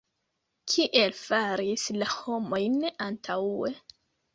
Kiel faris la homojn antaŭe?